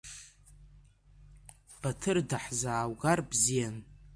Баҭыр даҳзааугар бзиан…